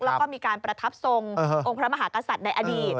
แล้วก็มีการประทับทรงองค์พระมหากษัตริย์ในอดีต